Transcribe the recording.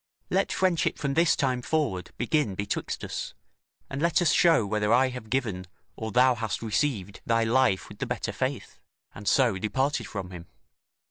Let friendship from this time forward begin betwixt us, and let us show whether I have given, or thou hast received thy life with the better faith"; and so departed from him.